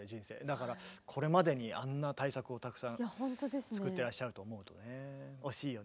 だからこれまでにあんな大作をたくさん作ってらっしゃると思うとね惜しいよね。